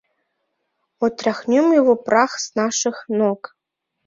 Отряхнём его прах с наших ног...